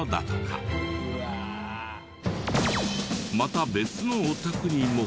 また別のお宅にも。